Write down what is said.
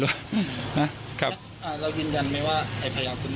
เรารู้ยืนยันมั้ยว่าไอ